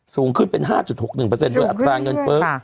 สูงขึ้นเป็น๕๖๑โดยอัตราเงินเฟิร์ฟ